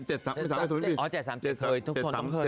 อ๋อ๗๓๗เคยเจอคุณทุกคน